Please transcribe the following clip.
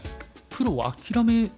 プロを諦め。